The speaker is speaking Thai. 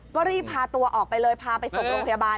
ก็รีบพาตัวออกไปเลยพาไปส่งโรงพยาบาล